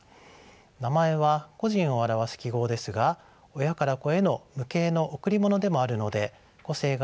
名前は個人を表す記号ですが親から子への無形の贈り物でもあるので個性があっても構いません。